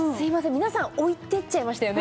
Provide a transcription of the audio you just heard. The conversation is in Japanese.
皆さんおいてっちゃいましたよね